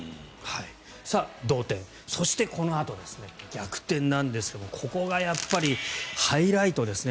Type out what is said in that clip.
同点そしてこのあとですね逆転なんですがここがハイライトですね。